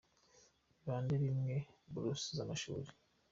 – Ni bande bimwa buruse z’amashuri ?